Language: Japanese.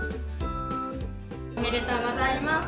おめでとうございます。